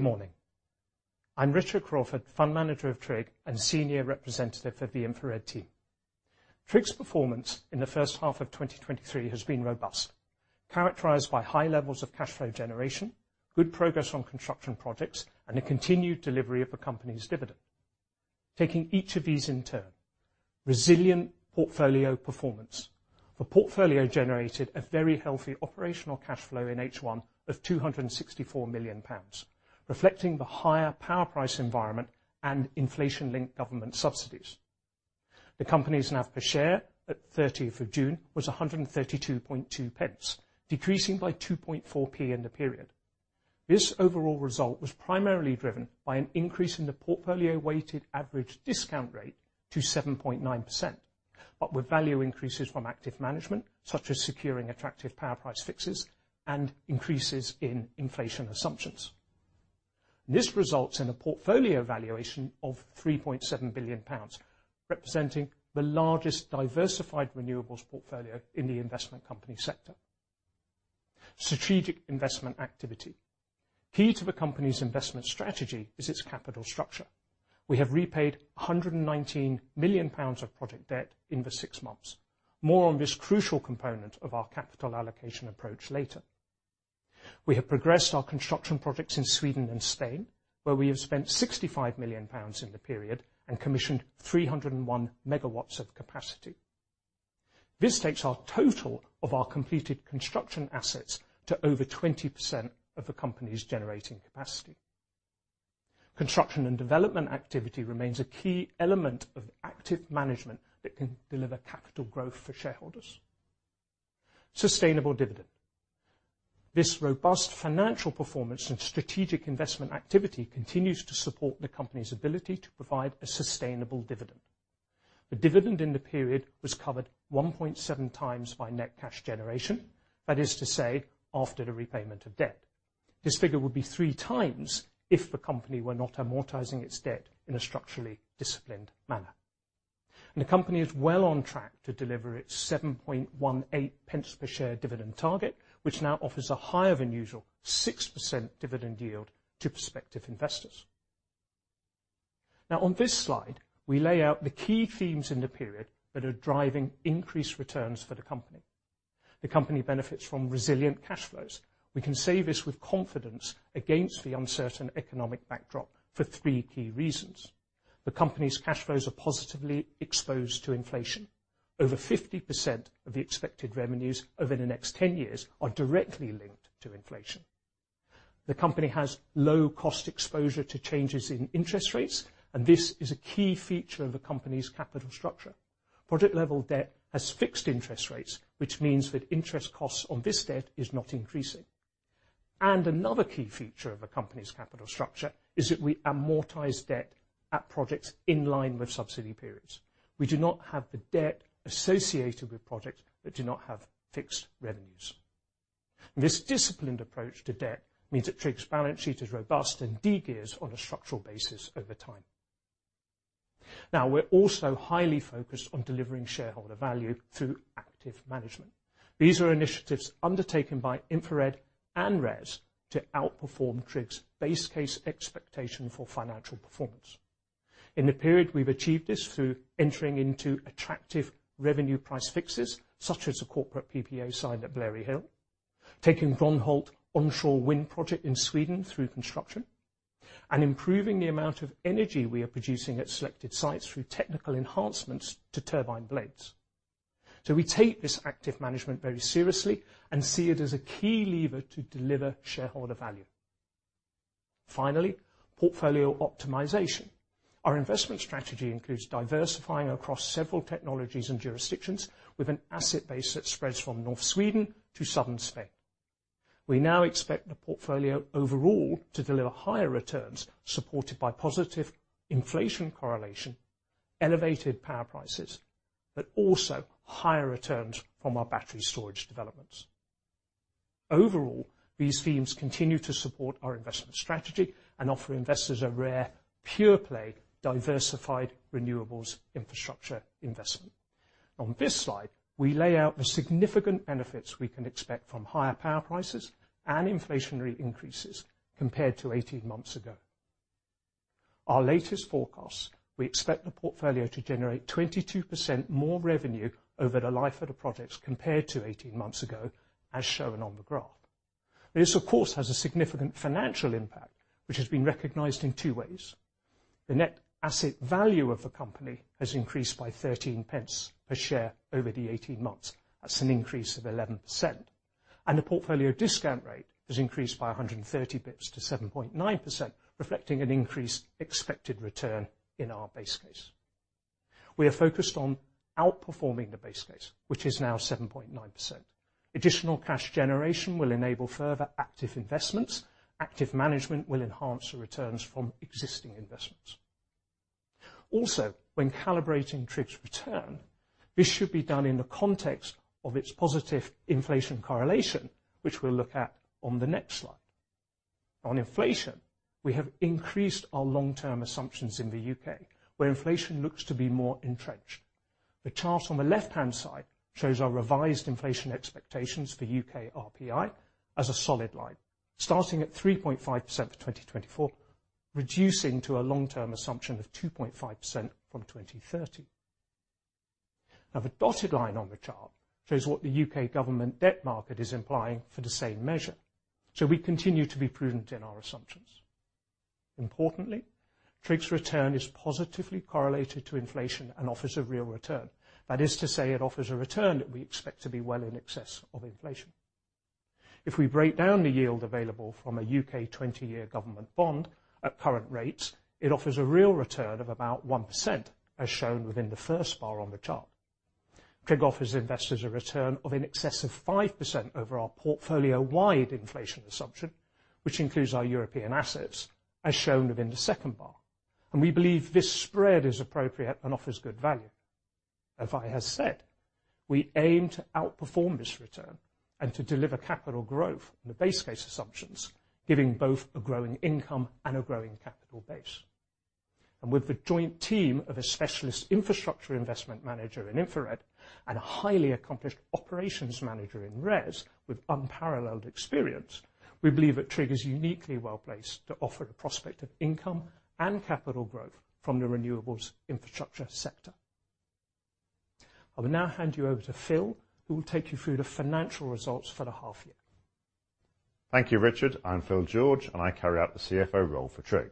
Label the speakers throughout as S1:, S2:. S1: Good morning. I'm Richard Crawford, fund manager of TRIG and senior representative of the InfraRed team. TRIG's performance in the first half of 2023 has been robust, characterized by high levels of cash flow generation, good progress on construction projects, and a continued delivery of the company's dividend. Taking each of these in turn, resilient portfolio performance. The portfolio generated a very healthy operational cash flow in H1 of 264 million pounds, reflecting the higher power price environment and inflation-linked government subsidies. The company's NAV per share at 30th of June was 132.2p, decreasing by 2.4p in the period. This overall result was primarily driven by an increase in the portfolio weighted average discount rate to 7.9%, but with value increases from active management, such as securing attractive power price fixes and increases in inflation assumptions. This results in a portfolio valuation of 3.7 billion pounds, representing the largest diversified renewables portfolio in the investment company sector. Strategic investment activity. Key to the company's investment strategy is its capital structure. We have repaid 119 million pounds of project debt in the six months. More on this crucial component of our capital allocation approach later. We have progressed our construction projects in Sweden and Spain, where we have spent 65 million pounds in the period and commissioned 301 MW of capacity. This takes our total of our completed construction assets to over 20% of the company's generating capacity. Construction and development activity remains a key element of active management that can deliver capital growth for shareholders. Sustainable dividend. This robust financial performance and strategic investment activity continues to support the company's ability to provide a sustainable dividend. The dividend in the period was covered 1.7x by net cash generation, that is to say, after the repayment of debt. This figure would be 3x if the company were not amortizing its debt in a structurally disciplined manner. The company is well on track to deliver its 7.18p per share dividend target, which now offers a higher than usual 6% dividend yield to prospective investors. On this slide, we lay out the key themes in the period that are driving increased returns for the company. The company benefits from resilient cash flows. We can say this with confidence against the uncertain economic backdrop for three key reasons. The company's cash flows are positively exposed to inflation. Over 50% of the expected revenues over the next 10 years are directly linked to inflation. The company has low cost exposure to changes in interest rates. This is a key feature of the company's capital structure. Project level debt has fixed interest rates, which means that interest costs on this debt is not increasing. Another key feature of a company's capital structure is that we amortize debt at projects in line with subsidy periods. We do not have the debt associated with projects that do not have fixed revenues. This disciplined approach to debt means that TRIG's balance sheet is robust and de-gears on a structural basis over time. We're also highly focused on delivering shareholder value through active management. These are initiatives undertaken by InfraRed and RES to outperform TRIG's base case expectation for financial performance. In the period, we've achieved this through entering into attractive revenue price fixes, such as a corporate PPA signed at Blary Hill, taking Grönhult's onshore wind project in Sweden through construction, and improving the amount of energy we are producing at selected sites through technical enhancements to turbine blades. We take this active management very seriously and see it as a key lever to deliver shareholder value. Finally, portfolio optimization. Our investment strategy includes diversifying across several technologies and jurisdictions with an asset base that spreads from North Sweden to Southern Spain. We now expect the portfolio overall to deliver higher returns, supported by positive inflation correlation, elevated power prices, also higher returns from our battery storage developments. Overall, these themes continue to support our investment strategy and offer investors a rare, pure-play, diversified renewables infrastructure investment. On this slide, we lay out the significant benefits we can expect from higher power prices and inflationary increases compared to 18 months ago. Our latest forecast, we expect the portfolio to generate 22% more revenue over the life of the projects compared to 18 months ago, as shown on the graph. This, of course, has a significant financial impact, which has been recognized in two ways. The net asset value of the company has increased by 0.13p per share over the 18 months. That's an increase of 11%. The portfolio discount rate has increased by 130 pips to 7.9%, reflecting an increased expected return in our base case. We are focused on outperforming the base case, which is now 7.9%. Additional cash generation will enable further active investments. Active management will enhance the returns from existing investments. Also, when calibrating TRIG's return, this should be done in the context of its positive inflation correlation, which we'll look at on the next slide. On inflation, we have increased our long-term assumptions in the U.K., where inflation looks to be more entrenched. The chart on the left-hand side shows our revised inflation expectations for U.K. RPI as a solid line, starting at 3.5% for 2024, reducing to a long-term assumption of 2.5% from 2030. The dotted line on the chart shows what the U.K. government debt market is implying for the same measure. We continue to be prudent in our assumptions. Importantly, TRIG's return is positively correlated to inflation and offers a real return. That is to say, it offers a return that we expect to be well in excess of inflation. If we break down the yield available from a U.K. 20-year government bond, at current rates, it offers a real return of about 1%, as shown within the first bar on the chart. TRIG offers investors a return of in excess of 5% over our portfolio-wide inflation assumption, which includes our European assets, as shown within the second bar, and we believe this spread is appropriate and offers good value. As I have said, we aim to outperform this return and to deliver capital growth in the base case assumptions, giving both a growing income and a growing capital base. With the joint team of a specialist infrastructure investment manager in InfraRed and a highly accomplished operations manager in RES, with unparalleled experience, we believe that TRIG is uniquely well-placed to offer the prospect of income and capital growth from the renewables infrastructure sector. I will now hand you over to Phil, who will take you through the financial results for the half year.
S2: Thank you, Richard. I'm Phil George, and I carry out the CFO role for TRIG.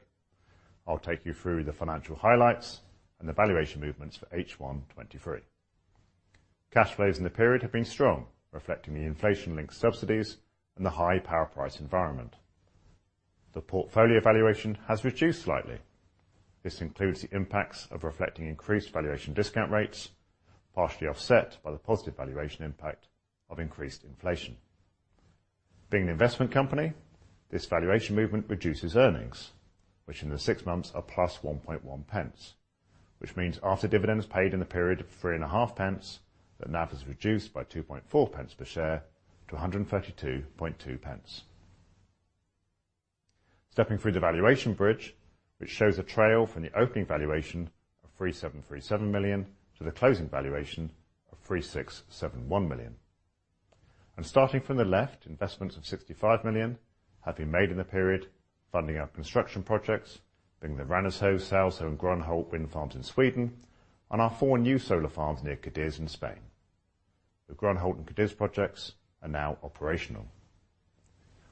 S2: I'll take you through the financial highlights and the valuation movements for H1 2023. Cash flows in the period have been strong, reflecting the inflation-linked subsidies and the high power price environment. The portfolio valuation has reduced slightly. This includes the impacts of reflecting increased valuation discount rates, partially offset by the positive valuation impact of increased inflation. Being an investment company, this valuation movement reduces earnings, which in the six months are +1.1p, which means after dividends paid in the period of 3.5p, the NAV is reduced by 2.4p per share to 132.2p. Stepping through the valuation bridge, which shows a trail from the opening valuation of 3,737 million to the closing valuation of 3,671 million. Starting from the left, investments of 65 million have been made in the period, funding our construction projects, bringing the Ranasjö, Salsjö, and Grönhult wind farms in Sweden, and our four new solar farms near Cadiz in Spain. The Grönhult and Cadiz projects are now operational.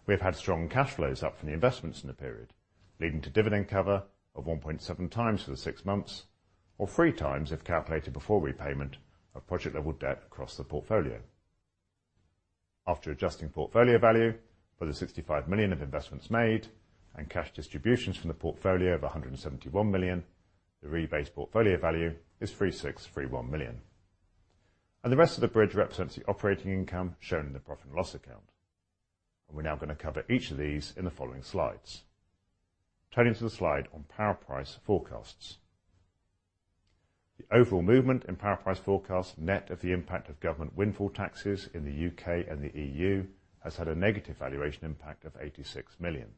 S2: We have had strong cash flows up from the investments in the period, leading to dividend cover of 1.7x for the six months, or 3x if calculated before repayment of project-level debt across the portfolio. After adjusting portfolio value for the 65 million of investments made and cash distributions from the portfolio of 171 million, the rebased portfolio value is 3,631 million. The rest of the bridge represents the operating income shown in the profit and loss account. We're now going to cover each of these in the following slides. Turning to the slide on power price forecasts. The overall movement in power price forecasts, net of the impact of government windfall taxes in the U.K. and the EU, has had a negative valuation impact of 86 million.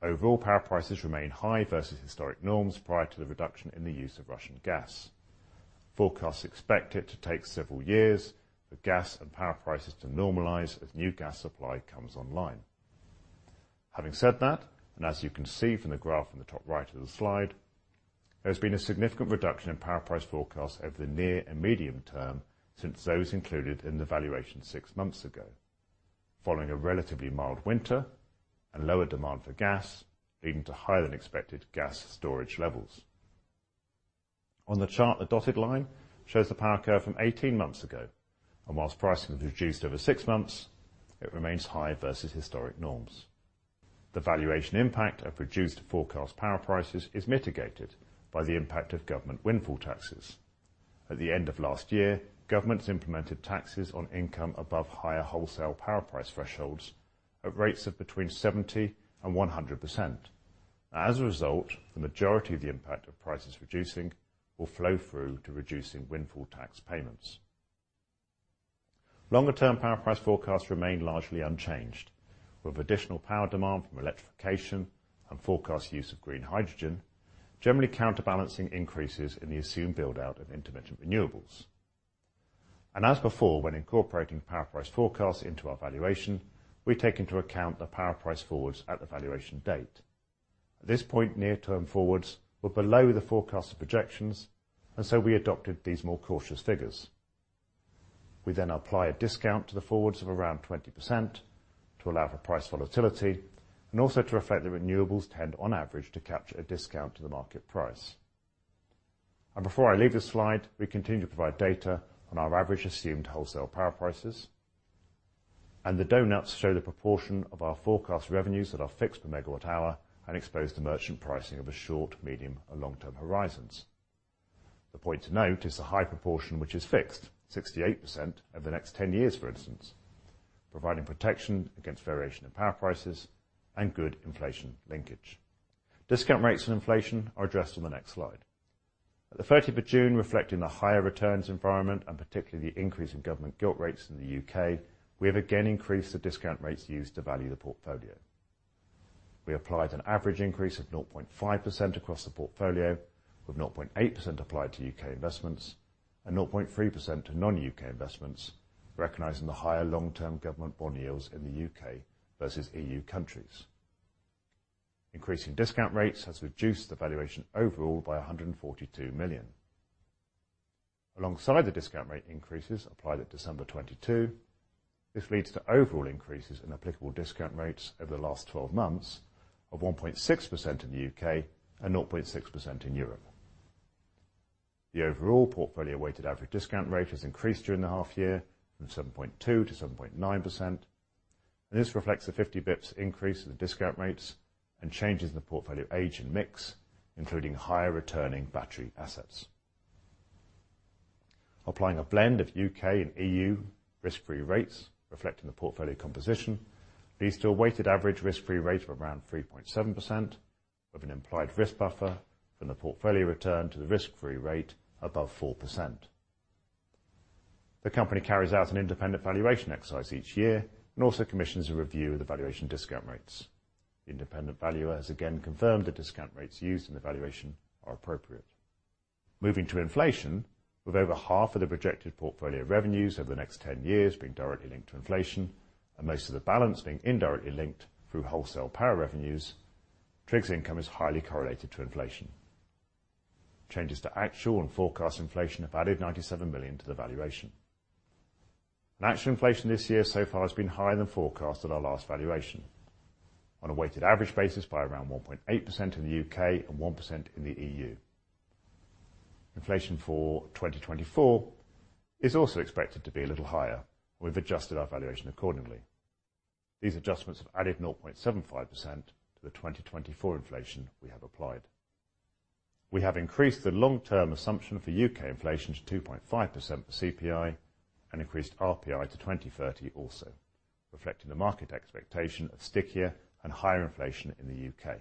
S2: Overall, power prices remain high versus historic norms prior to the reduction in the use of Russian gas. Forecasts expect it to take several years for gas and power prices to normalize as new gas supply comes online. Having said that, as you can see from the graph in the top right of the slide, there's been a significant reduction in power price forecasts over the near and medium term since those included in the valuation six months ago, following a relatively mild winter and lower demand for gas, leading to higher-than-expected gas storage levels. On the chart, the dotted line shows the power curve from 18 months ago, and whilst pricing has reduced over six months, it remains high versus historic norms. The valuation impact of reduced forecast power prices is mitigated by the impact of government windfall taxes. At the end of last year, governments implemented taxes on income above high wholesale power price thresholds at rates of between 70% and 100%. As a result, the majority of the impact of prices reducing will flow through to reducing windfall tax payments. Longer-term power price forecasts remain largely unchanged, with additional power demand from electrification and forecast use of green hydrogen generally counterbalancing increases in the assumed build-out of intermittent renewables. As before, when incorporating power price forecasts into our valuation, we take into account the power price forwards at the valuation date. At this point, near-term forwards were below the forecast of projections, and so we adopted these more cautious figures. We then apply a discount to the forwards of around 20% to allow for price volatility, and also to reflect the renewables tend, on average, to capture a discount to the market price. Before I leave this slide, we continue to provide data on our average assumed wholesale power prices. The donuts show the proportion of our forecast revenues that are fixed per megawatt hour and exposed to merchant pricing of a short, medium, and long-term horizons. The point to note is the high proportion, which is fixed, 68%, over the next 10 years, for instance, providing protection against variation in power prices and good inflation linkage. Discount rates and inflation are addressed on the next slide. At the 30th of June, reflecting the higher returns environment, and particularly the increase in government gilt rates in the U.K., we have again increased the discount rates used to value the portfolio. We applied an average increase of 0.5% across the portfolio, with 0.8% applied to U.K. investments and 0.3% to non-U.K. investments, recognizing the higher long-term government bond yields in the U.K. versus EU countries. Increasing discount rates has reduced the valuation overall by 142 million. Alongside the discount rate increases applied at December 2022, this leads to overall increases in applicable discount rates over the last 12 months of 1.6% in the U.K. and 0.6% in Europe. The overall portfolio weighted average discount rate has increased during the half year from 7.2 to 7.9%, This reflects the 50 bips increase in the discount rates and changes in the portfolio age and mix, including higher returning battery assets. Applying a blend of U.K. and EU risk-free rates, reflecting the portfolio composition, leads to a weighted average risk-free rate of around 3.7%, with an implied risk buffer from the portfolio return to the risk-free rate above 4%. The company carries out an independent valuation exercise each year and also commissions a review of the valuation discount rates. The independent valuer has again confirmed the discount rates used in the valuation are appropriate. Moving to inflation, with over half of the projected portfolio revenues over the next 10 years being directly linked to inflation, and most of the balance being indirectly linked through wholesale power revenues, TRIG's income is highly correlated to inflation. Changes to actual and forecast inflation have added 97 million to the valuation. Actual inflation this year so far has been higher than forecasted at our last valuation, on a weighted average basis by around 1.8% in the U.K. and 1% in the EU Inflation for 2024 is also expected to be a little higher. We've adjusted our valuation accordingly. These adjustments have added 0.75% to the 2024 inflation we have applied. We have increased the long-term assumption for U.K. inflation to 2.5% for CPI and increased RPI to 2030 also, reflecting the market expectation of stickier and higher inflation in the U.K..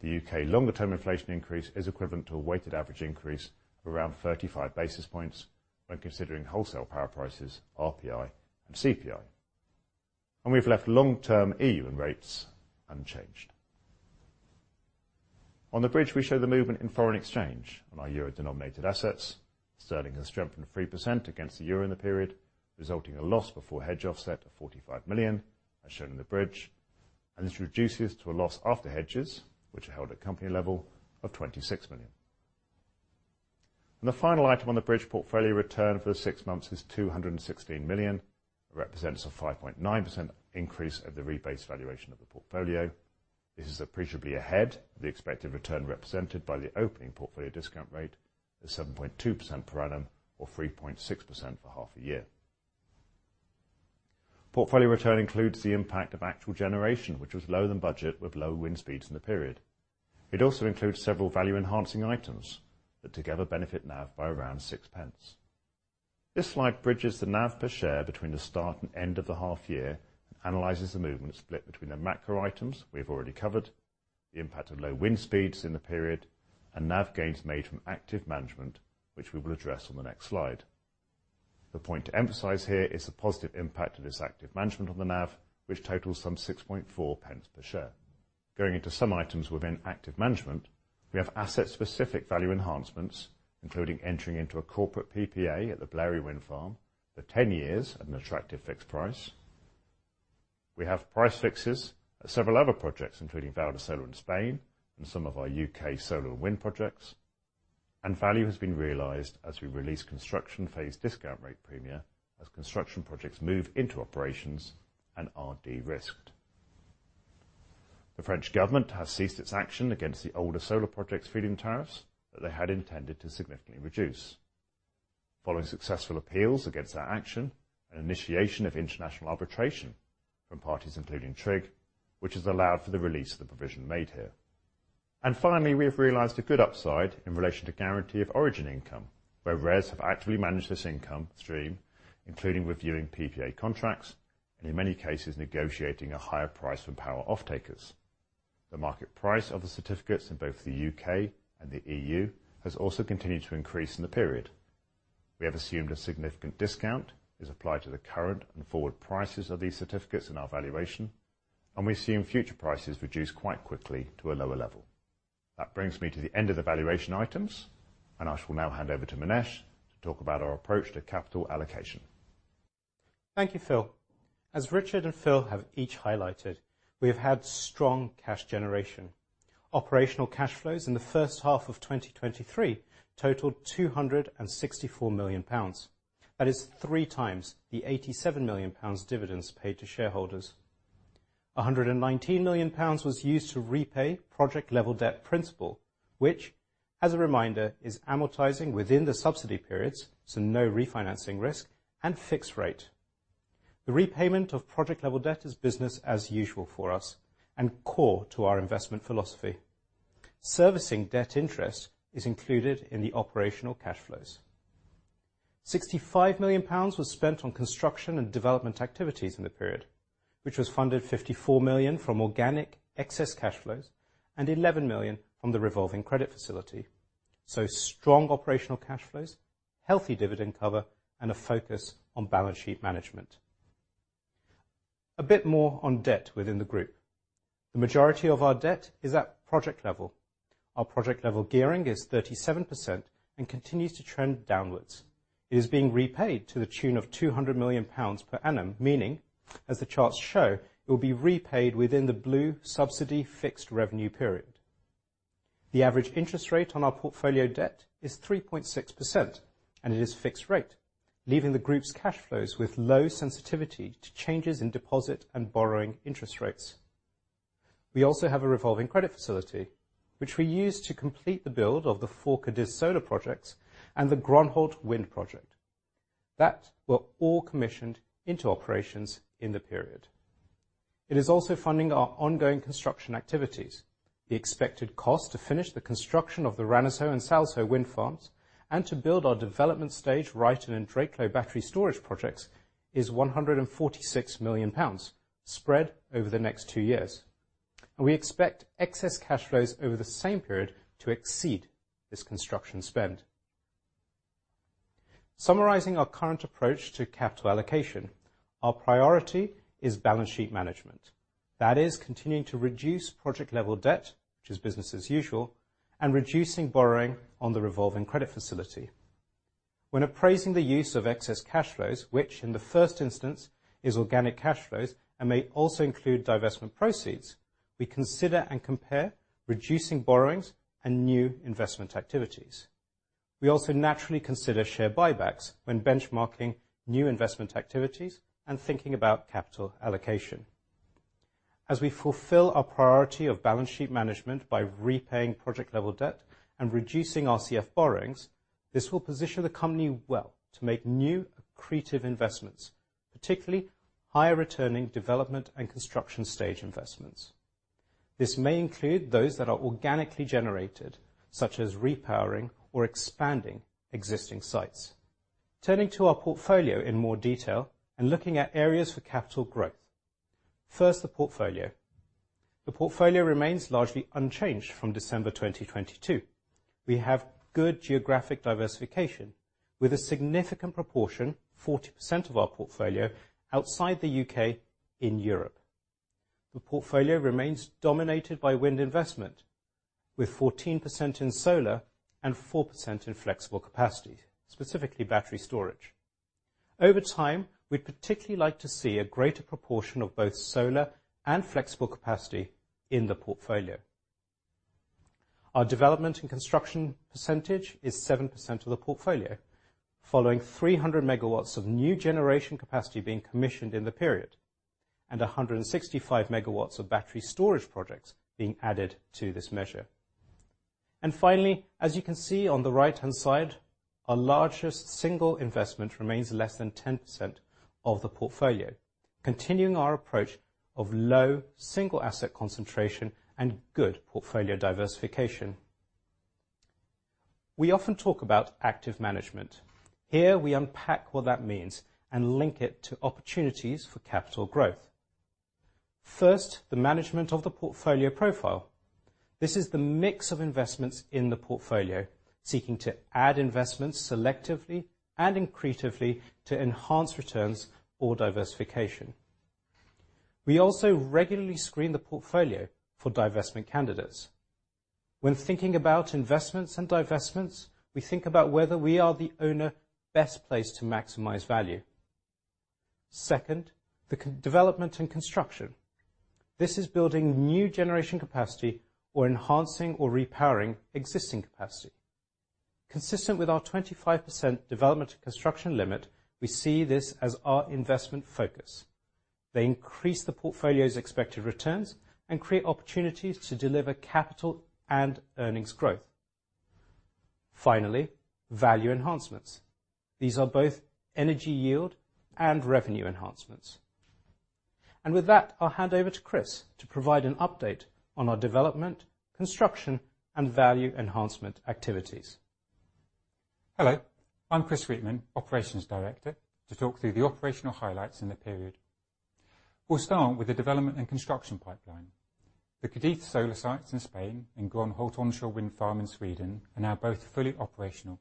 S2: The U.K. longer-term inflation increase is equivalent to a weighted average increase of around 35 basis points when considering wholesale power prices, RPI and CPI. We've left long-term EU rates unchanged. On the bridge, we show the movement in foreign exchange on our Euro-denominated assets. Sterling has strengthened 3% against the Euro in the period, resulting in a loss before hedge offset of 45 million, as shown in the bridge, this reduces to a loss after hedges, which are held at company level, of 26 million. The final item on the bridge portfolio return for the six months is 216 million, represents a 5.9% increase over the rebased valuation of the portfolio. This is appreciably ahead of the expected return represented by the opening portfolio discount rate of 7.2% per annum, or 3.6% for half a year. Portfolio return includes the impact of actual generation, which was lower than budget, with lower wind speeds in the period. It also includes several value-enhancing items that together benefit NAV by around 6p. This slide bridges the NAV per share between the start and end of the half year, and analyzes the movement split between the macro items we've already covered, the impact of low wind speeds in the period, and NAV gains made from active management, which we will address on the next slide. The point to emphasize here is the positive impact of this active management on the NAV, which totals some 6.4p per share. Going into some items within active management, we have asset-specific value enhancements, including entering into a corporate PPA at the Blary Wind Farm for 10 years at an attractive fixed price. We have price fixes at several other projects, including Valdesolar in Spain and some of our U.K. solar and wind projects. Value has been realized as we release construction phase discount rate premia as construction projects move into operations and are de-risked. The French government has ceased its action against the older solar projects Feed-in Tariffs that they had intended to significantly reduce. Following successful appeals against that action, an initiation of international arbitration from parties including TRIG, which has allowed for the release of the provision made here. Finally, we have realized a good upside in relation to guarantee of origin income, where RES have actively managed this income stream, including reviewing PPA contracts and, in many cases, negotiating a higher price from power offtakers. The market price of the certificates in both the U.K. and the EU has also continued to increase in the period. We have assumed a significant discount is applied to the current and forward prices of these certificates in our valuation, and we assume future prices reduce quite quickly to a lower level. That brings me to the end of the valuation items, and I shall now hand over to Manesh to talk about our approach to capital allocation.
S3: Thank you, Phil. As Richard and Phil have each highlighted, we have had strong cash generation. Operational cash flows in the first half of 2023 totaled 264 million pounds. That is 3x the 87 million pounds dividends paid to shareholders. 119 million pounds was used to repay project-level debt principal, which, as a reminder, is amortizing within the subsidy periods, so no refinancing risk, and fixed rate. The repayment of project-level debt is business as usual for us and core to our investment philosophy. Servicing debt interest is included in the operational cash flows. 65 million pounds was spent on construction and development activities in the period, which was funded 54 million from organic excess cash flows and 11 million from the revolving credit facility. Strong operational cash flows, healthy dividend cover, and a focus on balance sheet management. A bit more on debt within the group. The majority of our debt is at project level. Our project level gearing is 37% and continues to trend downwards. It is being repaid to the tune of 200 million pounds per annum, meaning, as the charts show, it will be repaid within the blue subsidy fixed revenue period. The average interest rate on our portfolio debt is 3.6%, and it is fixed rate, leaving the group's cash flows with low sensitivity to changes in deposit and borrowing interest rates. We also have a revolving credit facility, which we use to complete the build of the four Cadiz solar projects and the Grönhult wind project. That were all commissioned into operations in the period. It is also funding our ongoing construction activities. The expected cost to finish the construction of the Ranasjö and Salsjö wind farms, and to build our development stage, Ryton and Drakelow storage projects, is 146 million pounds, spread over the next two years. We expect excess cash flows over the same period to exceed this construction spend. Summarizing our current approach to capital allocation, our priority is balance sheet management. That is, continuing to reduce project-level debt, which is business as usual, and reducing borrowing on the revolving credit facility. When appraising the use of excess cash flows, which in the first instance is organic cash flows and may also include divestment proceeds, we consider and compare reducing borrowings and new investment activities. We also naturally consider share buybacks when benchmarking new investment activities and thinking about capital allocation. As we fulfill our priority of balance sheet management by repaying project-level debt and reducing RCF borrowings, this will position the company well to make new, accretive investments, particularly higher returning development and construction stage investments. This may include those that are organically generated, such as repowering or expanding existing sites. Turning to our portfolio in more detail and looking at areas for capital growth. First, the portfolio. The portfolio remains largely unchanged from December 2022. We have good geographic diversification, with a significant proportion, 40% of our portfolio, outside the U.K. in Europe. The portfolio remains dominated by wind investment, with 14% in solar and 4% in flexible capacity, specifically battery storage. Over time, we'd particularly like to see a greater proportion of both solar and flexible capacity in the portfolio. Our development and construction percentage is 7% of the portfolio, following 300 MW of new generation capacity being commissioned in the period, and 165 MW of battery storage projects being added to this measure. Finally, as you can see on the right-hand side, our largest single investment remains less than 10% of the portfolio, continuing our approach of low single asset concentration and good portfolio diversification. We often talk about active management. Here, we unpack what that means and link it to opportunities for capital growth. First, the management of the portfolio profile. This is the mix of investments in the portfolio, seeking to add investments selectively and creatively to enhance returns or diversification. We also regularly screen the portfolio for divestment candidates. When thinking about investments and divestments, we think about whether we are the owner best placed to maximize value. Second, the development and construction. This is building new generation capacity or enhancing or repowering existing capacity. Consistent with our 25% development and construction limit, we see this as our investment focus. They increase the portfolio's expected returns and create opportunities to deliver capital and earnings growth. Finally, value enhancements. These are both energy yield and revenue enhancements. With that, I'll hand over to Chris to provide an update on our development, construction, and value enhancement activities.
S4: Hello, I'm Chris Sweetman, Operations Director, to talk through the operational highlights in the period. We'll start with the development and construction pipeline. The Cadiz solar sites in Spain and Grönhult onshore wind farm in Sweden are now both fully operational.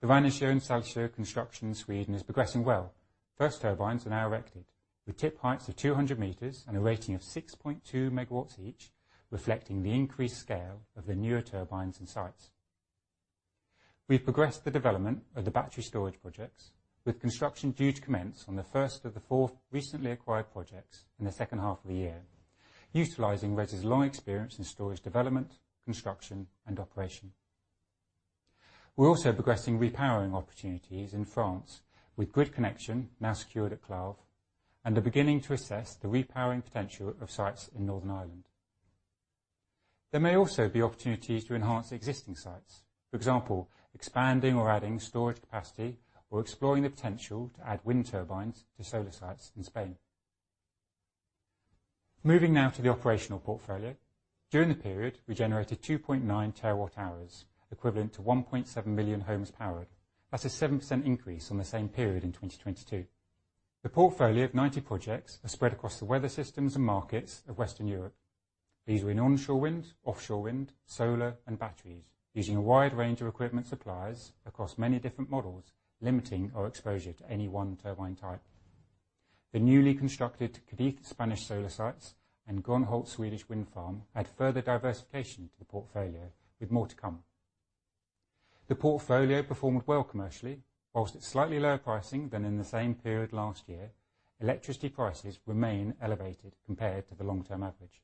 S4: The Ranasjö and Salsjö construction in Sweden is progressing well. First turbines are now erected, with tip heights of 200 m and a rating of 6.2 MW each, reflecting the increased scale of the newer turbines and sites. We've progressed the development of the battery storage projects, with construction due to commence on the first of the four recently acquired projects in the second half of the year, utilizing RES long experience in storage development, construction, and operation. We're also progressing repowering opportunities in France, with grid connection now secured at Clave, and are beginning to assess the repowering potential of sites in Northern Ireland. There may also be opportunities to enhance existing sites. For example, expanding or adding storage capacity, or exploring the potential to add wind turbines to solar sites in Spain. Moving now to the operational portfolio. During the period, we generated 2.9 TWh, equivalent to 1.7 million homes powered. That's a 7% increase on the same period in 2022. The portfolio of 90 projects are spread across the weather systems and markets of Western Europe. These are in onshore wind, offshore wind, solar, and batteries, using a wide range of equipment suppliers across many different models, limiting our exposure to any one turbine type. The newly constructed Cadiz Spanish solar sites and Grönhult Swedish wind farm add further diversification to the portfolio, with more to come. The portfolio performed well commercially, whilst at slightly lower pricing than in the same period last year, electricity prices remain elevated compared to the long-term average,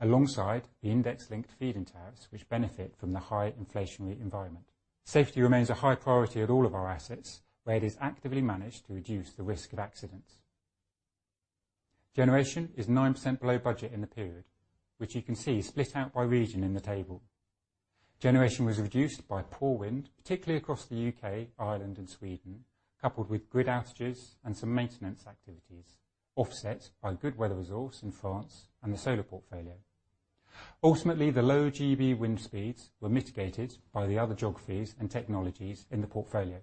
S4: alongside the index-linked Feed-in Tariffs, which benefit from the high inflationary environment. Safety remains a high priority at all of our assets, where it is actively managed to reduce the risk of accidents. Generation is 9% below budget in the period, which you can see split out by region in the table. Generation was reduced by poor wind, particularly across the U.K., Ireland, and Sweden, coupled with grid outages and some maintenance activities, offset by good weather resorts in France and the solar portfolio. Ultimately, the low GB wind speeds were mitigated by the other geographies and technologies in the portfolio.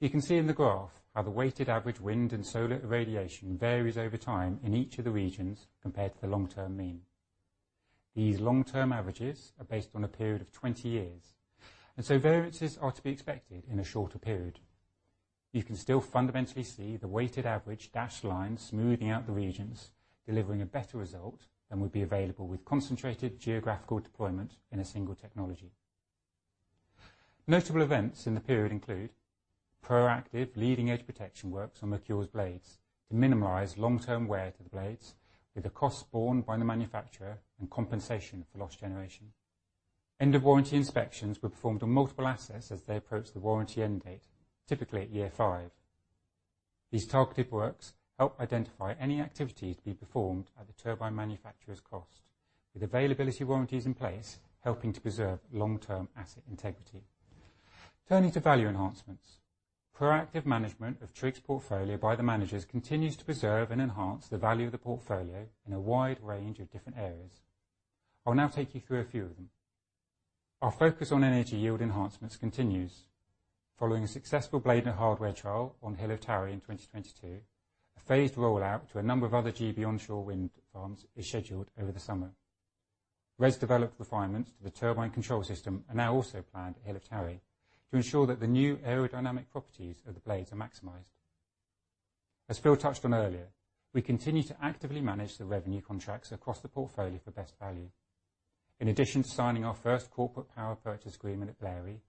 S4: You can see in the graph how the weighted average wind and solar irradiation varies over time in each of the regions compared to the long-term mean. These long-term averages are based on a period of 20 years, so variances are to be expected in a shorter period. You can still fundamentally see the weighted average dashed line smoothing out the regions, delivering a better result than would be available with concentrated geographical deployment in a single technology. Notable events in the period include proactive leading-edge protection works on Merkur's blades to minimize long-term wear to the blades, with the costs borne by the manufacturer and compensation for lost generation. End of warranty inspections were performed on multiple assets as they approached the warranty end date, typically at year five. These targeted works help identify any activities to be performed at the turbine manufacturer's cost, with availability warranties in place, helping to preserve long-term asset integrity. Turning to value enhancements. Proactive management of TRIG's portfolio by the managers continues to preserve and enhance the value of the portfolio in a wide range of different areas. I'll now take you through a few of them. Our focus on energy yield enhancements continues. Following a successful blade and hardware trial on Hill of Towie in 2022, a phased rollout to a number of other GB onshore wind farms is scheduled over the summer. RES developed refinements to the turbine control system are now also planned at Hill of Towie to ensure that the new aerodynamic properties of the blades are maximized. As Phil touched on earlier, we continue to actively manage the revenue contracts across the portfolio for best value. In addition to signing our first corporate power purchase agreement at Blary,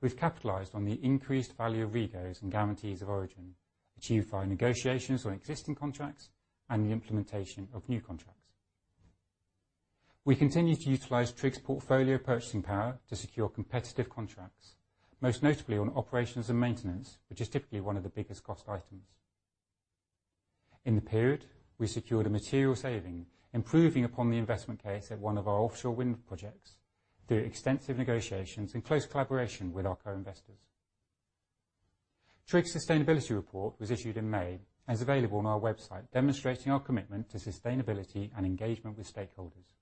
S4: we've capitalized on the increased value of REGOs and guarantees of origin, achieved by negotiations on existing contracts and the implementation of new contracts. We continue to utilize TRIG's portfolio purchasing power to secure competitive contracts, most notably on operations and maintenance, which is typically one of the biggest cost items. In the period, we secured a material saving, improving upon the investment case at one of our offshore wind projects through extensive negotiations in close collaboration with our co-investors. TRIG's sustainability report was issued in May and is available on our website, demonstrating our commitment to sustainability and engagement with stakeholders.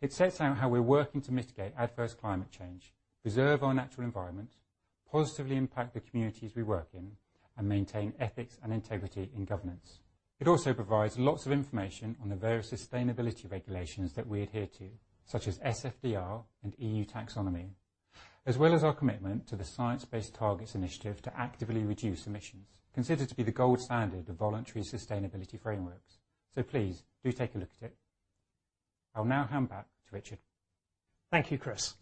S4: It sets out how we're working to mitigate adverse climate change, preserve our natural environment, positively impact the communities we work in, and maintain ethics and integrity in governance. It also provides lots of information on the various sustainability regulations that we adhere to, such as SFDR and EU Taxonomy, as well as our commitment to the Science-Based Targets initiative to actively reduce emissions, considered to be the gold standard of voluntary sustainability frameworks. Please, do take a look at it. I'll now hand back to Richard.
S1: Thank you, Chris.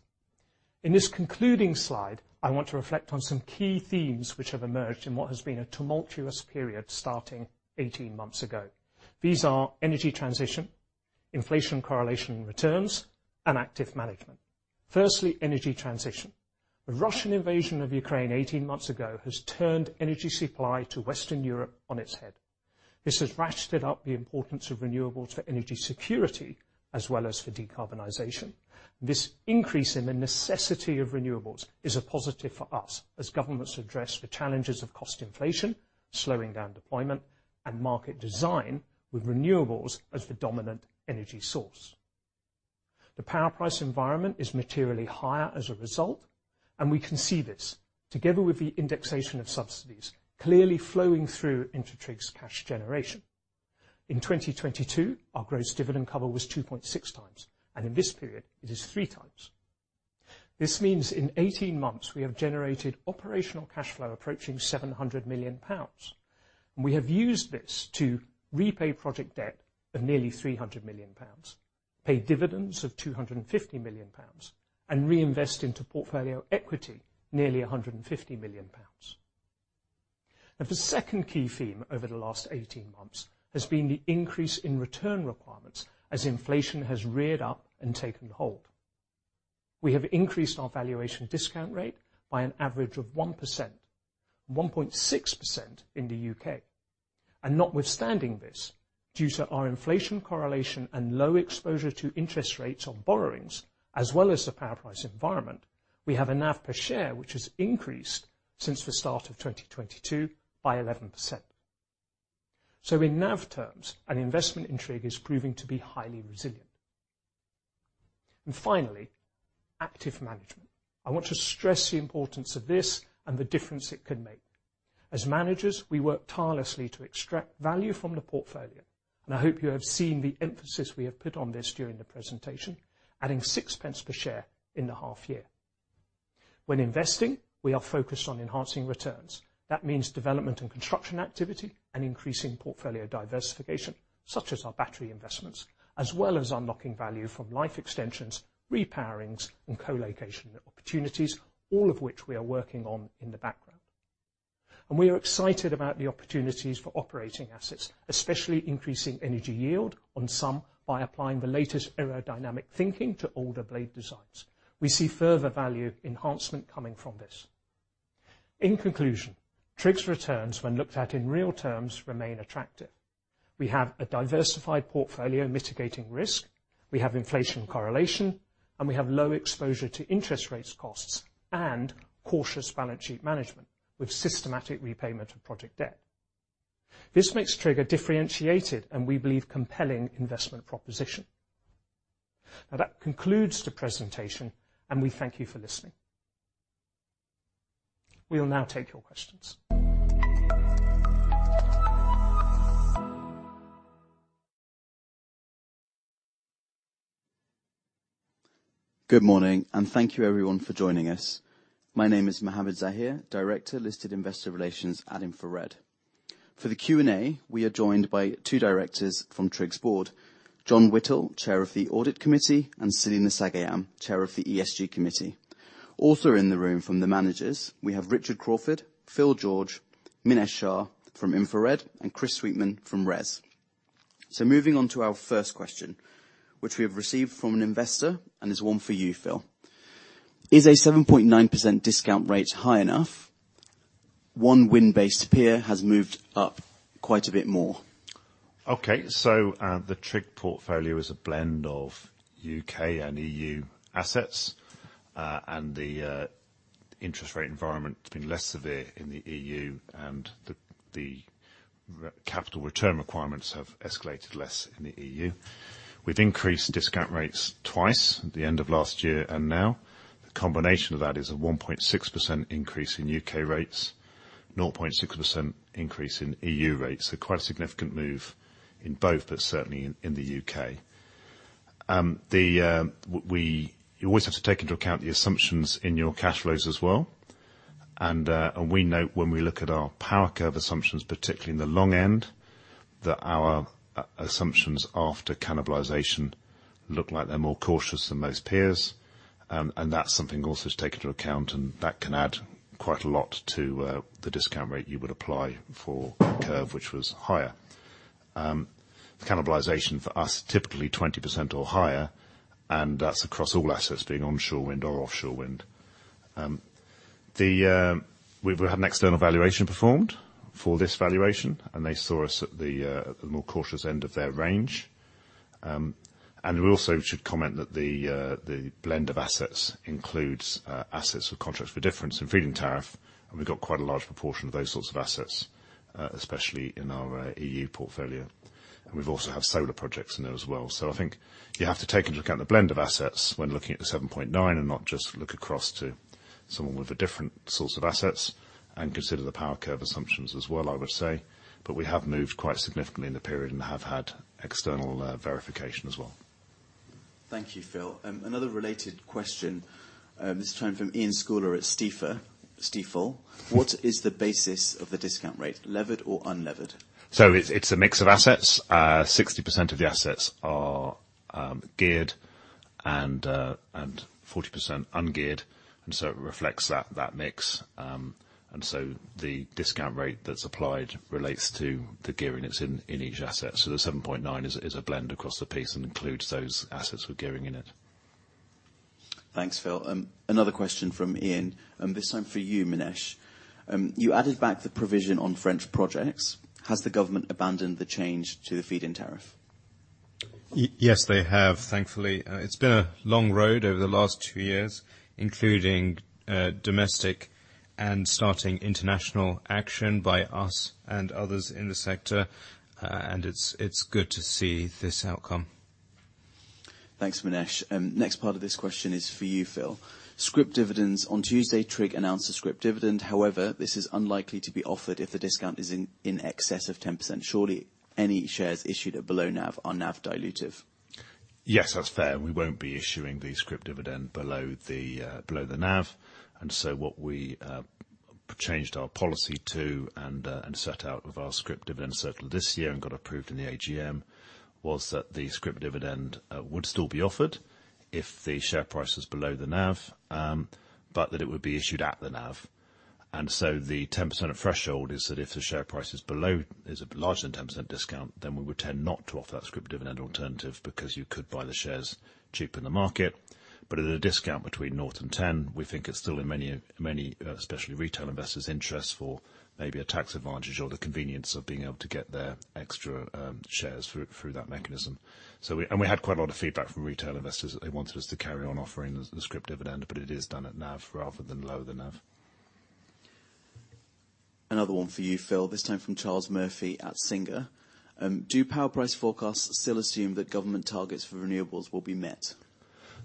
S1: In this concluding slide, I want to reflect on some key themes which have emerged in what has been a tumultuous period starting 18 months ago. These are energy transition, inflation correlation returns, and active management. Firstly, energy transition. The Russian invasion of Ukraine 18 months ago has turned energy supply to Western Europe on its head. This has ratcheted up the importance of renewables for energy security, as well as for decarbonization. This increase in the necessity of renewables is a positive for us as governments address the challenges of cost inflation, slowing down deployment, and market design, with renewables as the dominant energy source. The power price environment is materially higher as a result, and we can see this, together with the indexation of subsidies, clearly flowing through into TRIG's cash generation. In 2022, our gross dividend cover was 2.6x, and in this period, it is 3x. This means in 18 months, we have generated operational cash flow approaching 700 million pounds. We have used this to repay project debt of nearly 300 million pounds, pay dividends of 250 million pounds, and reinvest into portfolio equity, nearly 150 million pounds. Now, the second key theme over the last 18 months has been the increase in return requirements as inflation has reared up and taken hold. We have increased our valuation discount rate by an average of 1%, 1.6% in the U.K.. Notwithstanding this, due to our inflation correlation and low exposure to interest rates on borrowings, as well as the power price environment, we have a NAV per share, which has increased since the start of 2022 by 11%. In NAV terms, an investment in TRIG is proving to be highly resilient. Finally, active management. I want to stress the importance of this and the difference it can make. As managers, we work tirelessly to extract value from the portfolio, and I hope you have seen the emphasis we have put on this during the presentation, adding 6p per share in the half year. When investing, we are focused on enhancing returns. That means development and construction activity, and increasing portfolio diversification, such as our battery investments, as well as unlocking value from life extensions, repowerings, and co-location opportunities, all of which we are working on in the background. We are excited about the opportunities for operating assets, especially increasing energy yield on some by applying the latest aerodynamic thinking to older blade designs. We see further value enhancement coming from this. In conclusion, TRIG's returns, when looked at in real terms, remain attractive. We have a diversified portfolio mitigating risk, we have inflation correlation, and we have low exposure to interest rates costs and cautious balance sheet management, with systematic repayment of project debt. This makes TRIG a differentiated, and we believe, compelling investment proposition. That concludes the presentation, and we thank you for listening. We will now take your questions.
S5: Good morning, and thank you, everyone, for joining us. My name is Mohammed Zahid, Director, Listed Investor Relations at InfraRed. For the Q&A, we are joined by two directors from TRIG's board: John Whittle, Chair of the Audit Committee, and Selina Sagayam, Chair of the ESG Committee. Also in the room from the managers, we have Richard Crawford, Phil George, Minesh Shah from InfraRed, and Chris Sweetman from RES. Moving on to our first question, which we have received from an investor, and is one for you, Phil. Is a 7.9% discount rate high enough? One wind-based peer has moved up quite a bit more.
S2: The TRIG portfolio is a blend of U.K. and EU assets, and the interest rate environment has been less severe in the EU, and the capital return requirements have escalated less in the EU. We've increased discount rates twice, at the end of last year and now. The combination of that is a 1.6% increase in U.K. rates, 0.6% increase in EU rates. Quite a significant move in both, but certainly in the U.K.. You always have to take into account the assumptions in your cash flows as well, and we note when we look at our power curve assumptions, particularly in the long end, that our assumptions after cannibalization look like they're more cautious than most peers. That's something also to take into account, and that can add quite a lot to the discount rate you would apply for a curve which was higher. Cannibalization for us, typically 20% or higher, and that's across all assets, being onshore wind or offshore wind. We had an external valuation performed for this valuation, and they saw us at the more cautious end of their range. We also should comment that the blend of assets includes assets with Contracts for Difference in Feed-in Tariff, and we've got quite a large proportion of those sorts of assets, especially in our EU portfolio. We've also have solar projects in there as well. I think you have to take into account the blend of assets when looking at the 7.9, and not just look across to someone with a different source of assets, and consider the power curve assumptions as well, I would say. We have moved quite significantly in the period and have had external verification as well.
S5: Thank you, Phil. Another related question, this is coming from Ian Scoular at Stifel. What is the basis of the discount rate, levered or unlevered?
S2: It's, it's a mix of assets. 60% of the assets are geared and 40% ungeared, and so it reflects that, that mix. The discount rate that's applied relates to the gearing that's in, in each asset. The 7.9 is a, is a blend across the piece and includes those assets with gearing in it.
S5: Thanks, Phil. Another question from Ian, this time for you, Minesh. You added back the provision on French projects. Has the government abandoned the change to the Feed-in Tariff?
S6: Yes, they have, thankfully. It's been a long road over the last two years, including domestic and starting international action by us and others in the sector. And it's, it's good to see this outcome.
S5: Thanks, Minesh. Next part of this question is for you, Phil. Scrip dividends. On Tuesday, TRIG announced a scrip dividend, however, this is unlikely to be offered if the discount is in, in excess of 10%. Surely, any shares issued at below NAV are NAV dilutive.
S2: Yes, that's fair. We won't be issuing the scrip dividend below the, below the NAV. What we changed our policy to and set out with our scrip dividend circular this year and got approved in the AGM, was that the scrip dividend would still be offered if the share price is below the NAV, but that it would be issued at the NAV. The 10% threshold is that if the share price is below, is a larger than 10% discount, then we would tend not to offer that scrip dividend alternative, because you could buy the shares cheaper in the market. At a discount between 0 and 10, we think it's still in many, many, especially retail investors' interest for maybe a tax advantage or the convenience of being able to get their extra shares through that mechanism. We had quite a lot of feedback from retail investors that they wanted us to carry on offering the scrip dividend, but it is done at NAV rather than below the NAV....
S5: Another one for you, Phil, this time from Charles Murphy at Singer. Do power price forecasts still assume that government targets for renewables will be met?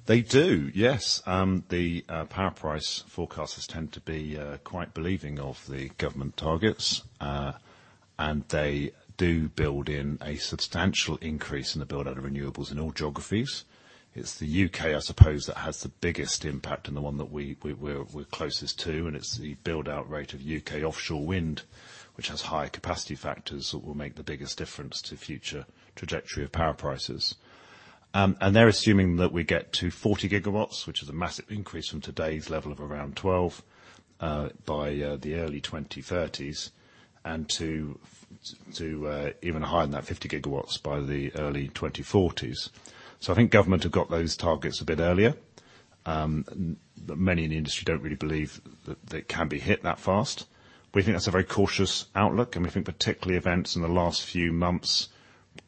S2: They do, yes. The power price forecasts tend to be quite believing of the government targets. They do build in a substantial increase in the build-out of renewables in all geographies. It's the U.K., I suppose, that has the biggest impact and the one that we're closest to, and it's the build-out rate of U.K. offshore wind, which has higher capacity factors, that will make the biggest difference to future trajectory of power prices. They're assuming that we get to 40 GW, which is a massive increase from today's level of around 12, by the early 2030s, and even higher than that, 50 GW, by the early 2040s. I think government have got those targets a bit earlier. Many in the industry don't really believe that they can be hit that fast. We think that's a very cautious outlook, and we think particularly events in the last few months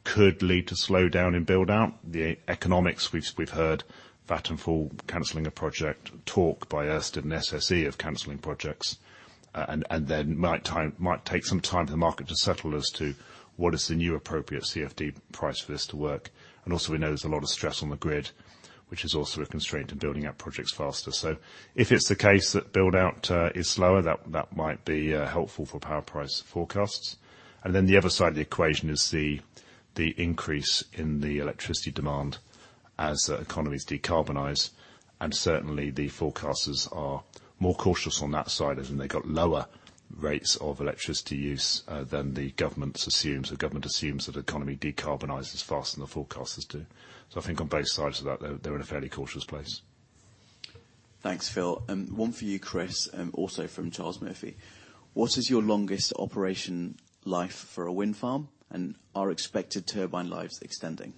S2: could lead to slowdown in build-out. The economics, we've heard Vattenfall canceling a project, talk by Ørsted and SSE of canceling projects, and then might take some time for the market to settle as to what is the new appropriate CFD price for this to work. Also, we know there's a lot of stress on the grid, which is also a constraint in building out projects faster. If it's the case that build-out is slower, that might be helpful for power price forecasts. The other side of the equation is the, the increase in the electricity demand as economies decarbonize, and certainly the forecasters are more cautious on that side, as in they've got lower rates of electricity use than the government assumes. The government assumes that the economy decarbonizes faster than the forecasters do. I think on both sides of that, they're, they're in a fairly cautious place.
S5: Thanks, Phil. One for you, Chris, also from Charles Murphy: What is your longest operation life for a wind farm, and are expected turbine lives extending?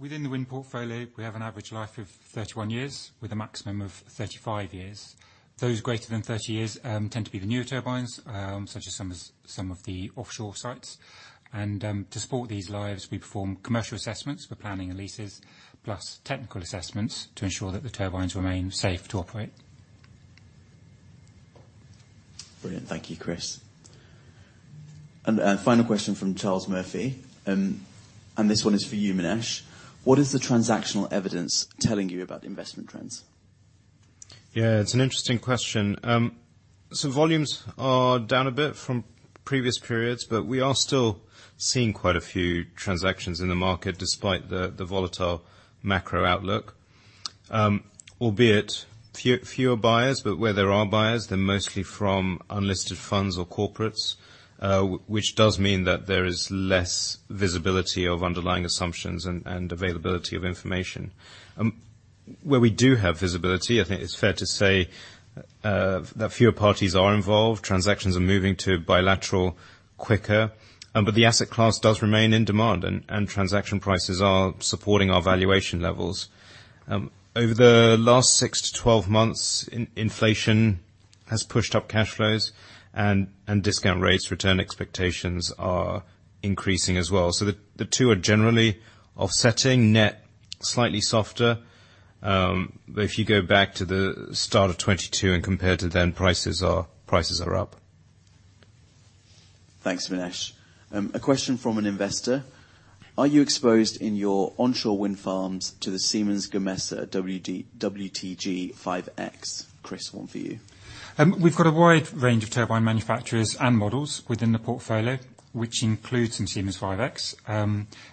S4: Within the wind portfolio, we have an average life of 31 years, with a maximum of 35 years. Those greater than 30 years tend to be the newer turbines, such as some of, some of the offshore sites. To support these lives, we perform commercial assessments for planning and leases, plus technical assessments to ensure that the turbines remain safe to operate.
S5: Brilliant. Thank you, Chris. A final question from Charles Murphy, and this one is for you, Minesh. What is the transactional evidence telling you about the investment trends?
S6: Yeah, it's an interesting question. Volumes are down a bit from previous periods, but we are still seeing quite a few transactions in the market despite the volatile macro outlook. Albeit fewer buyers, but where there are buyers, they're mostly from unlisted funds or corporates, which does mean that there is less visibility of underlying assumptions and availability of information. Where we do have visibility, I think it's fair to say that fewer parties are involved. Transactions are moving to bilateral quicker, but the asset class does remain in demand, and transaction prices are supporting our valuation levels. Over the last six to 12 months, inflation has pushed up cash flows and discount rates, return expectations are increasing as well. The two are generally offsetting net, slightly softer. If you go back to the start of 2022 and compare to then, prices are, prices are up.
S5: Thanks, Minesh. A question from an investor: Are you exposed in your onshore wind farms to the Siemens Gamesa WTG 5.X? Chris, one for you.
S4: We've got a wide range of turbine manufacturers and models within the portfolio, which includes some Siemens 5.X.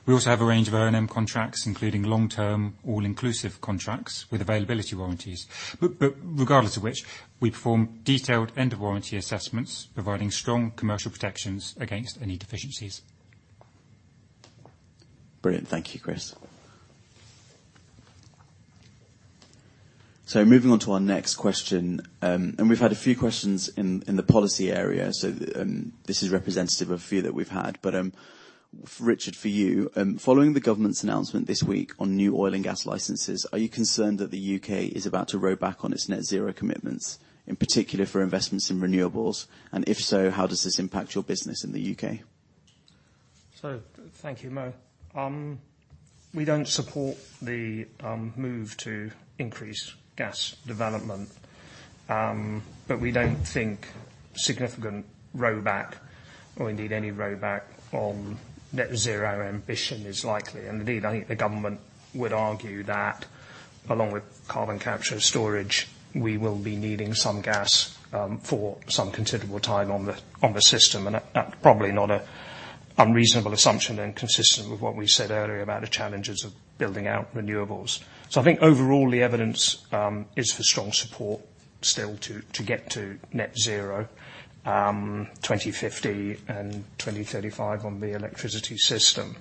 S4: We also have a range of O&M contracts, including long-term, all-inclusive contracts with availability warranties. Regardless of which, we perform detailed end-of-warranty assessments, providing strong commercial protections against any deficiencies.
S5: Brilliant. Thank you, Chris. Moving on to our next question, we've had a few questions in, in the policy area, this is representative of a few that we've had. Richard, for you, following the government's announcement this week on new oil and gas licenses, are you concerned that the U.K. is about to row back on its net zero commitments, in particular for investments in renewables? If so, how does this impact your business in the U.K.?
S1: Thank you, Mo. We don't support the move to increase gas development, but we don't think significant rowback or indeed any rowback on net zero ambition is likely. Indeed, I think the government would argue that along with carbon capture and storage, we will be needing some gas for some considerable time on the system. That, that's probably not an unreasonable assumption and consistent with what we said earlier about the challenges of building out renewables. I think overall, the evidence is for strong support still to get to net zero 2050 and 2035 on the electricity system.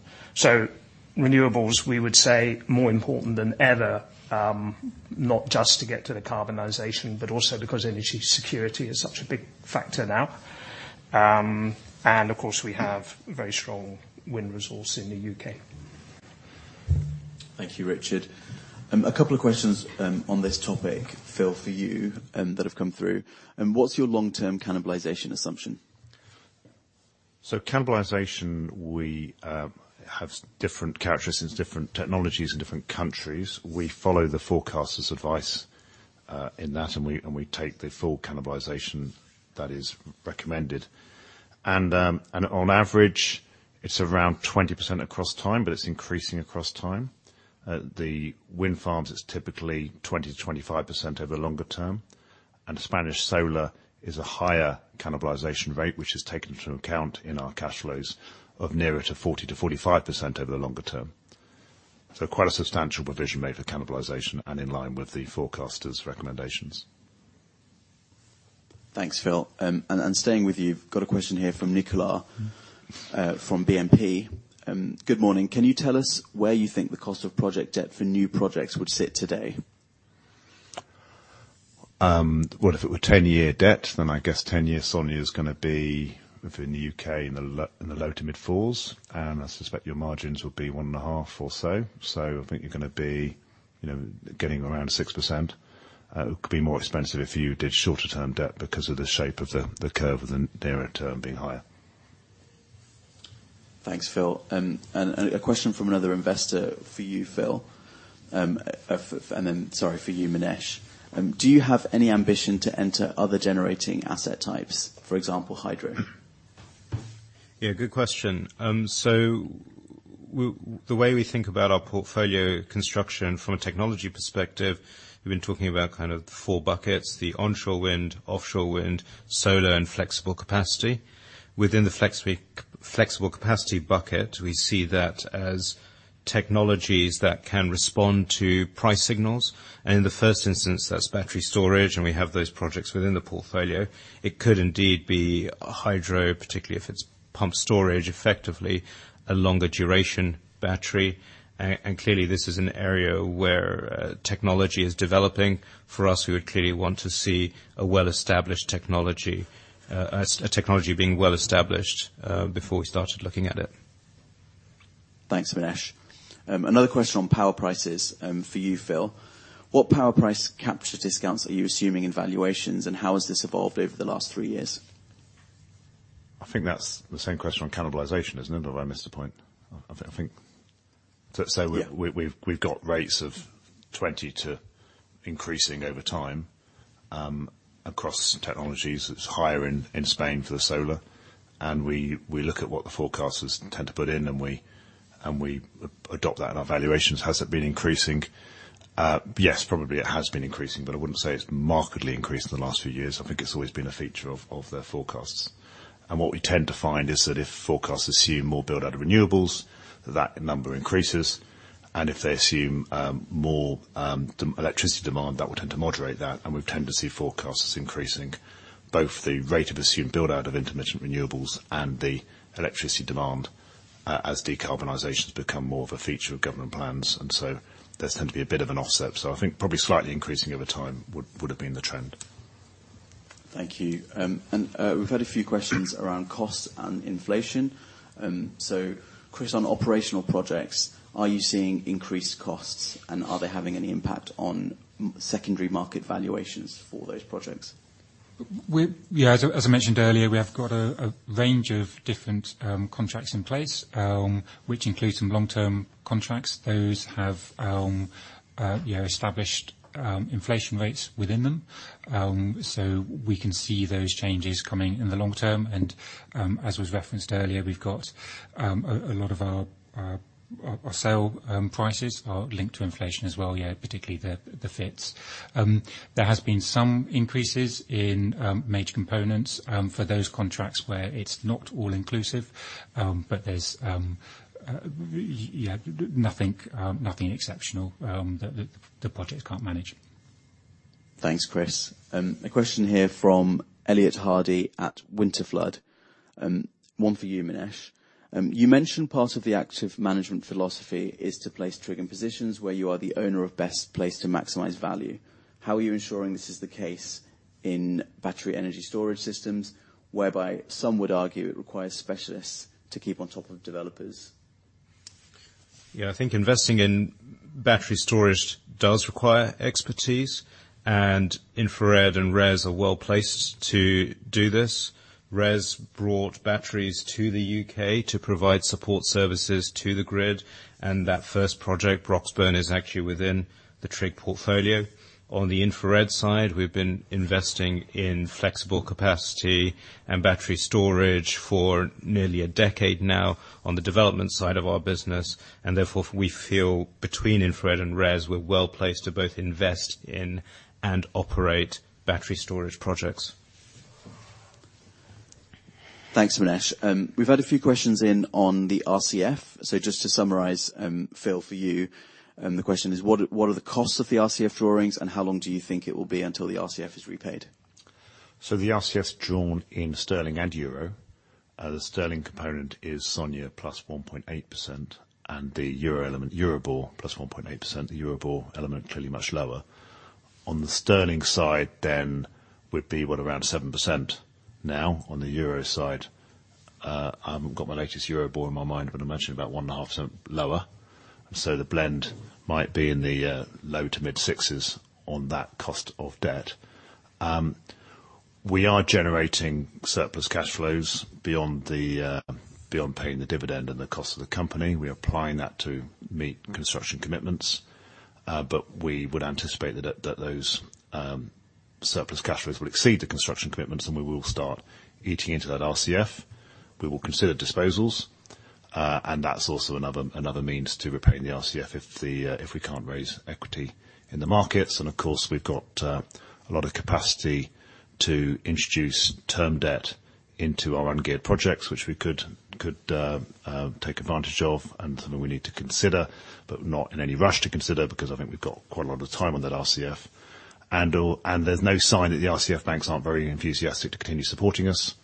S1: Renewables, we would say, more important than ever, not just to get to the carbonization, but also because energy security is such a big factor now. Of course, we have very strong wind resource in the U.K..
S5: Thank you, Richard. A couple of questions on this topic, Phil, for you, that have come through. What's your long-term cannibalization assumption?
S2: Cannibalization, we have different characteristics, different technologies in different countries. We follow the forecaster's advice in that, and we, and we take the full cannibalization that is recommended. On average, it's around 20% across time, but it's increasing across time. The wind farms, it's typically 20%-25% over the longer term, and Spanish solar is a higher cannibalization rate, which is taken into account in our cash flows of nearer to 40%-45% over the longer term. Quite a substantial provision made for cannibalization and in line with the forecaster's recommendations.
S5: Thanks, Phil. Staying with you, I've got a question here from Nicola, from BNP. Good morning. Can you tell us where you think the cost of project debt for new projects would sit today?
S2: Well, if it were 10-year debt, then I guess 10-year SONIA is gonna be, if in the U.K., in the low to mid-4s, and I suspect your margins would be 1.5 or so. I think you're gonna be, you know, getting around 6%. It could be more expensive if you did shorter term debt because of the shape of the, the curve with the nearer term being higher.
S5: Thanks, Phil. A question from another investor for you, Phil. Then, sorry, for you, Minesh. Do you have any ambition to enter other generating asset types, for example, hydro?
S6: Yeah, good question. So the way we think about our portfolio construction from a technology perspective, we've been talking about kind of the four buckets, the onshore wind, offshore wind, solar, and flexible capacity. Within the flexi, flexible capacity bucket, we see that as technologies that can respond to price signals, and in the first instance, that's battery storage, and we have those projects within the portfolio. It could indeed be a hydro, particularly if it's pumped storage, effectively a longer duration battery. Clearly, this is an area where technology is developing. For us, we would clearly want to see a well-established technology, as a technology being well-established, before we started looking at it.
S5: Thanks, Minesh. Another question on power prices, for you, Phil. What power price capture discounts are you assuming in valuations, and how has this evolved over the last three years?
S2: I think that's the same question on cannibalization, isn't it? Have I missed the point? I, I think...
S5: Yeah...
S2: we've, we've, we've got rates of 20 to increasing over time across technologies. It's higher in, in Spain for the solar, and we, we look at what the forecasters tend to put in, and we, and we adopt that in our valuations. Has it been increasing? Yes, probably it has been increasing, but I wouldn't say it's markedly increased in the last few years. I think it's always been a feature of, of their forecasts. What we tend to find is that if forecasts assume more build-out of renewables, that number increases, and if they assume more electricity demand, that will tend to moderate that, and we tend to see forecasts increasing both the rate of assumed build-out of intermittent renewables and the electricity demand as decarbonization's become more of a feature of government plans. There's tend to be a bit of an offset. I think probably slightly increasing over time would, would have been the trend.
S5: Thank you. We've had a few questions around cost and inflation. Chris, on operational projects, are you seeing increased costs, and are they having any impact on secondary market valuations for those projects?
S4: Yeah, as I mentioned earlier, we have got a range of different contracts in place, which includes some long-term contracts. Those have, yeah, established inflation rates within them. So we can see those changes coming in the long term, and as was referenced earlier, we've got a lot of our sale prices are linked to inflation as well, yeah, particularly the FiTs. There has been some increases in major components for those contracts where it's not all inclusive, but there's, yeah, nothing, nothing exceptional that the projects can't manage.
S5: Thanks, Chris. A question here from Elliott Hardy at Winterflood, one for you, Minesh. You mentioned part of the active management philosophy is to place TRIG in positions where you are the owner of best place to maximize value. How are you ensuring this is the case in battery energy storage systems, whereby some would argue it requires specialists to keep on top of developers?
S6: Yeah, I think investing in battery storage does require expertise, and InfraRed and RES are well placed to do this. RES brought batteries to the U.K. to provide support services to the grid, and that first project, Broxburn, is actually within the TRIG portfolio. On the InfraRed side, we've been investing in flexible capacity and battery storage for nearly a decade now on the development side of our business, and therefore, we feel between InfraRed and RES, we're well placed to both invest in and operate battery storage projects.
S5: Thanks, Minesh. We've had a few questions in on the RCF. Just to summarize, Phil, for you, the question is: What are the costs of the RCF drawings, and how long do you think it will be until the RCF is repaid?
S2: The RCF's drawn in Sterling and Euro. The Sterling component is SONIA plus 1.8%, and the Euro element, EURIBOR, plus 1.8%. The EURIBOR element, clearly much lower. On the Sterling side, would be, what, around 7% now. On the Euro side, I haven't got my latest EURIBOR in my mind, but I imagine about 1.5% lower. The blend might be in the low to mid 6s on that cost of debt. We are generating surplus cash flows beyond the beyond paying the dividend and the cost of the company. We are applying that to meet construction commitments, but we would anticipate that, that those surplus cash flows will exceed the construction commitments, and we will start eating into that RCF. We will consider disposals, and that's also another, another means to repaying the RCF if we can't raise equity in the markets. Of course, we've got a lot of capacity to introduce term debt into our ungeared projects, which we could, could take advantage of, and something we need to consider, but not in any rush to consider, because I think we've got quite a lot of time on that RCF. There's no sign that the RCF banks aren't very enthusiastic to continue supporting us.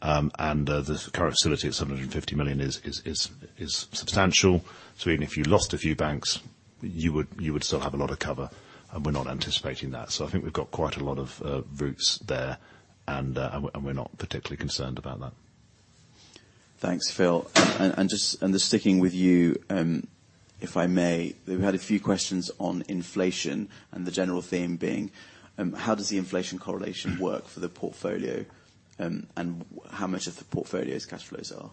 S2: The current facility at 750 million is substantial. Even if you lost a few banks, you would still have a lot of cover, and we're not anticipating that. I think we've got quite a lot of routes there, and, and we're, and we're not particularly concerned about that.
S5: Thanks, Phil. Just sticking with you, if I may, we've had a few questions on inflation and the general theme being: how does the inflation correlation work for the portfolio, and how much of the portfolio's cash flows are?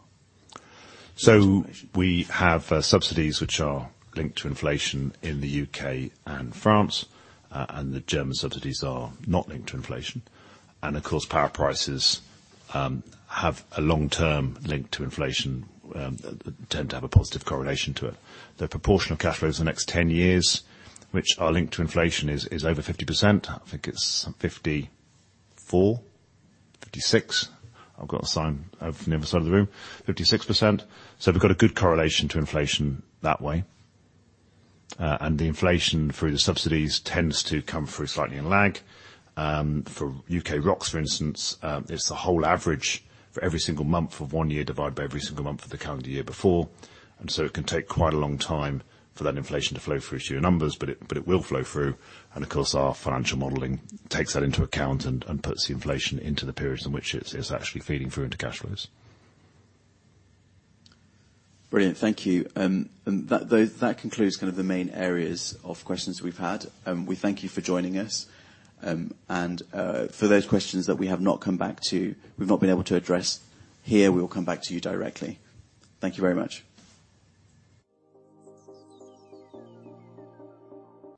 S2: We have subsidies which are linked to inflation in the U.K. and France, the German subsidies are not linked to inflation. Of course, power prices have a long-term link to inflation that tend to have a positive correlation to it. The proportion of cash flows the next 10 years, which are linked to inflation, is over 50%. I think it's some 54, 56. I've got a sign off from the other side of the room, 56%. We've got a good correlation to inflation that way. The inflation through the subsidies tends to come through slightly in lag. For U.K. ROCs, for instance, it's the whole average for every single month of one year divided by every single month of the calendar year before. So it can take quite a long time for that inflation to flow through to your numbers, but it, but it will flow through. Of course, our financial modeling takes that into account and, and puts the inflation into the periods in which it's, it's actually feeding through into cash flows.
S5: Brilliant. Thank you. That, though, that concludes kind of the main areas of questions we've had. We thank you for joining us. For those questions that we have not come back to, we've not been able to address here, we will come back to you directly. Thank you very much.